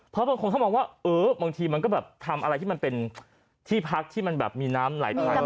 เพราะบางคนเขามองว่าเออบางทีมันก็แบบทำอะไรที่มันเป็นที่พักที่มันแบบมีน้ำไหลทาง